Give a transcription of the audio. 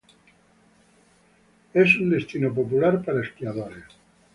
Es un destino popular para esquiadores.